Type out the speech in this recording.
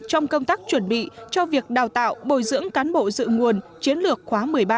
trong công tác chuẩn bị cho việc đào tạo bồi dưỡng cán bộ dự nguồn chiến lược khóa một mươi ba